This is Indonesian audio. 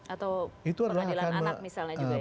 atau pengadilan anak misalnya juga ya